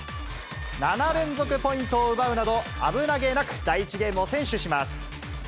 ７連続ポイントを奪うなど、危なげなく第１ゲームを先取します。